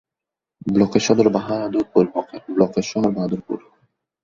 ব্লকের সদর বাহাদুরপুর।